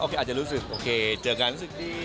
ก็อาจจะรู้สึกโอเคเจอกันรู้สึกดี